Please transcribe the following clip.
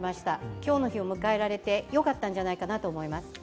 今日の日を迎えられて、よかったんじゃないかなと思います。